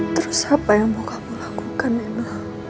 terus apa yang mau kamu lakukan memang